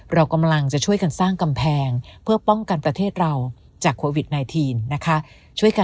เรากำลังจะช่วยกันสร้างกำแพงเพื่อป้องกันประเทศเราจากโควิด๑๙นะคะ